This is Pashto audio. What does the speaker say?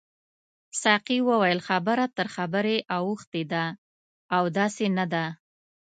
ساقي وویل خبره تر خبرې اوښتې ده او داسې نه ده.